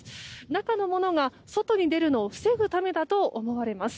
中のものが外に出るのを防ぐためだと思われます。